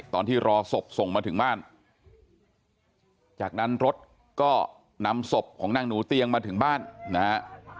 ตอนที่รอศพส่งมาถึงบ้านจากนั้นรถก็นำศพของนางหนูเตียงมาถึงบ้านนะฮะ